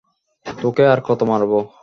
তোকে আর কত মারব!